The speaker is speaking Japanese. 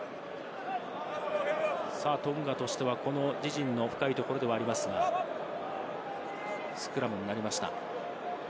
さあ、トンガとしては自陣の深いところではありますが、スクラムになりました。